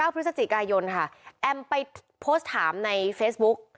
พฤศจิกายนค่ะแอมไปโพสต์ถามในเฟซบุ๊ก